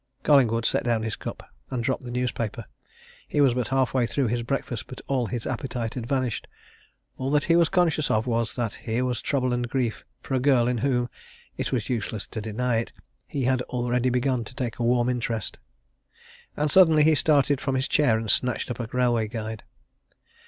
Collingwood set down his cup, and dropped the newspaper. He was but half way through his breakfast, but all his appetite had vanished. All that he was conscious of was that here was trouble and grief for a girl in whom it was useless to deny it he had already begun to take a warm interest. And suddenly he started from his chair and snatched up a railway guide.